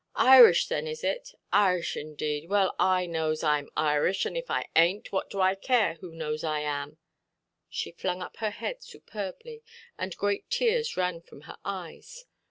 "Irish, thin, is it? Irish indade! Well, and I knows Iʼm Irish. And if I ainʼt, what do I care who knows I am"? She flung up her head superbly, and great tears ran from her eyes.